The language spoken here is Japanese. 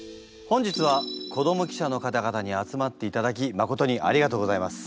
本日は子ども記者の方々に集まっていただき誠にありがとうございます。